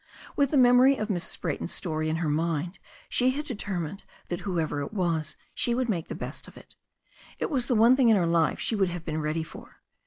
With the memory of Mrs. Brayton's story in her mind she had determined that whoever it was she would make the best of it. It was the one thing in her life she would have been ready for.